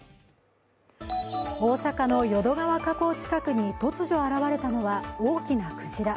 大阪の淀川河口近くに突如現れたのは大きなクジラ。